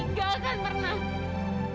gak akan pernah